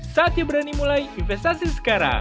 saatnya berani mulai investasi sekarang